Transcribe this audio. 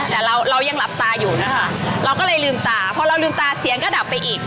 แต่เราเรายังหลับตาอยู่นะคะเราก็เลยลืมตาพอเราลืมตาเสียงก็ดับไปอีก